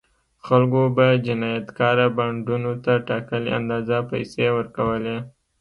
خلکو به جنایتکاره بانډونو ته ټاکلې اندازه پیسې ورکولې.